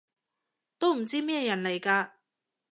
都唔知咩人嚟㗎